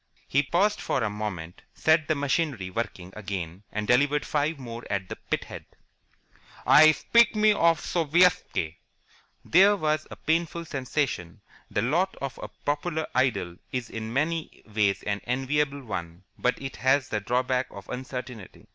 He paused for a moment, set the machinery working again, and delivered five more at the pithead. "I spit me of Sovietski!" There was a painful sensation. The lot of a popular idol is in many ways an enviable one, but it has the drawback of uncertainty.